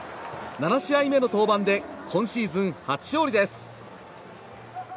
７試合目の登板で今シーズン初勝利です！